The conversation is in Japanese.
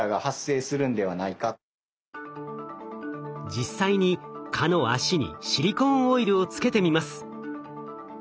実際に蚊の脚にシリコーンオイルをつけてみます。